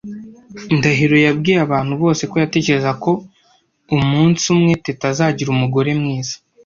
Ndahiro yabwiye abantu bose ko yatekerezaga ko umunsi umwe Teta azagira umugore mwiza.